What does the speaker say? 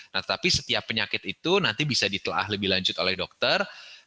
nah tapi setiap penyakit itu nanti bisa ditelah lebih lanjut oleh dokter